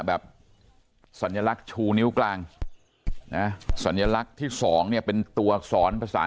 แบบสัญลักษณ์ชูนิ้วกลางนะสัญลักษณ์ที่สองเนี่ยเป็นตัวอักษรภาษา